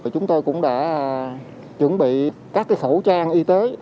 chúng tôi cũng đã chuẩn bị các khẩu trang y tế